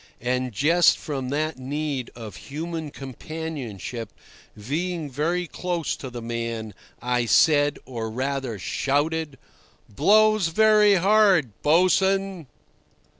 And just from that need of human companionship, being very close to the man, I said, or rather shouted: "Blows very hard, boatswain."